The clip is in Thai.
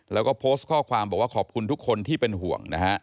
แล้วก็โพสต์ข้อความบอกว่าขอบคุณทุกคนที่เป็นห่วงนะฮะ